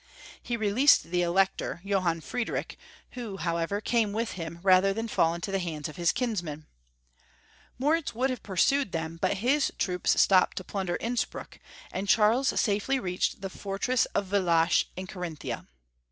He released the Elector, Johann Friedrich, who, how ever, came with him rather than fall into the hands of his kinsman. Moritz would have pursued them, but his troops stopped to plunder Innspruck, and Charles safely reached the fortress of ViUach in Carinthia.